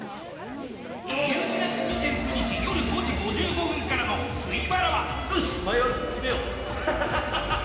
１２月２９日夜５時５５分からの「水バラ」は。